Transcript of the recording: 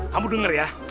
kamu denger ya